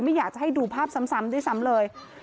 อยากจะให้ดูภาพซ้ำด้วยซ้ำเลย